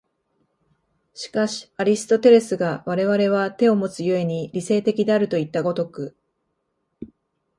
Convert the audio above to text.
しかしアリストテレスが我々は手をもつ故に理性的であるといった如く